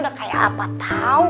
udah kaya apa tau